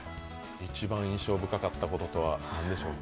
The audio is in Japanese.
一番印象深かったこととは何でしょうか？